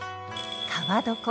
川床。